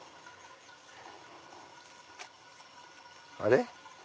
あれ？